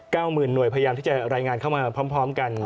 ก้าวหมื่นหน่วยพยายามที่จะได้รายงานเข้ามาพร้อมกัน